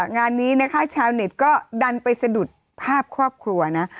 งานนี้นะคะชาวเน็ตก็ดันไปสะดุดภาพครอบครัวนะ